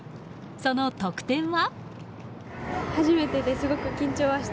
その得点は？